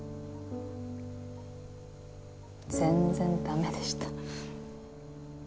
全然ダメでした。